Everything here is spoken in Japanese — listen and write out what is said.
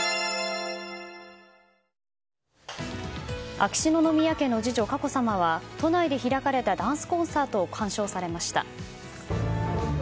秋篠宮家の次女・佳子さまは都内で開かれたダンスコンサートを鑑賞されました。